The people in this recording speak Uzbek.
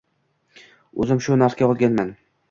“O‘zim shu narxga olganman.